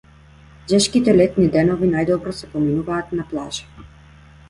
Жешките летни денови најдобро се поминуваат на плажа.